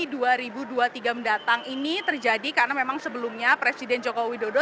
dan ini dua ribu dua puluh tiga mendatang ini terjadi karena memang sebelumnya presiden joko widodo